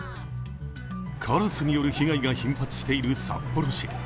カラスによる被害が頻発している札幌市。